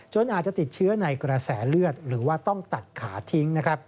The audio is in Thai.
อาจจะติดเชื้อในกระแสเลือดหรือว่าต้องตัดขาทิ้ง